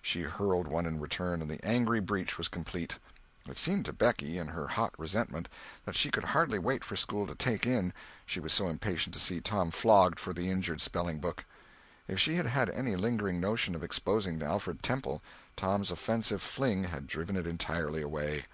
She hurled one in return, and the angry breach was complete. It seemed to Becky, in her hot resentment, that she could hardly wait for school to "take in," she was so impatient to see Tom flogged for the injured spelling book. If she had had any lingering notion of exposing Alfred Temple, Tom's offensive fling had driven it entirely away.